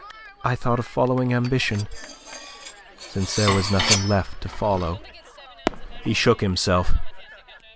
"I thought of following ambition, since there was nothing left to follow." He shook himself.